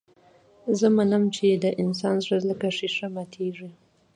زه منم چې د انسان زړه لکه ښيښه ماتېږي.